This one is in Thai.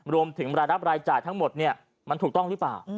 รวมถึงรายรับรายจ่ายทั้งหมดเนี่ยมันถูกต้องหรือเปล่า